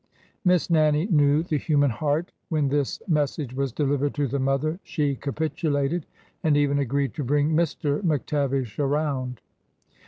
" Miss Nannie knew the human heart. When this mes sage was delivered to the mother she capitulated, and even agreed to bring Mr. McTavish around.